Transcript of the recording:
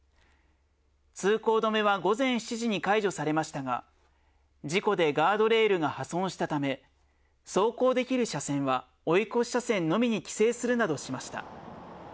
通行止めは午前７時に解除されましたが、事故でガードレールが破損したため、走行できる車線は追い越し車線のみに規制するなどしました。